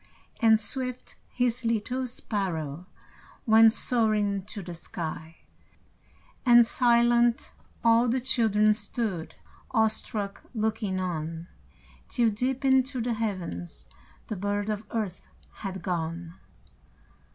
And swift, His little sparrow Went soaring to the sky, And silent, all the children Stood, awestruck, looking on, Till, deep into the heavens, The bird of earth had gone.